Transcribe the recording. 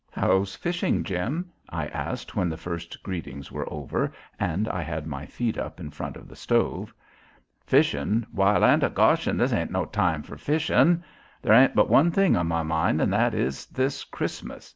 "How's fishing, Jim?" I asked when the first greetings were over and I had my feet up in front of the stove. "Fishin', why land o' Goshen, this ain't no time for fishin'. There ain't but one thing on my mind an' that is Christmas.